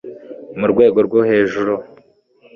mu rwego rwo hejuru